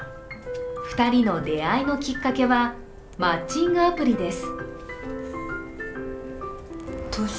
２人の出会いのきっかけはマッチングアプリです。